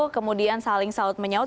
kemudian saling saut menyaut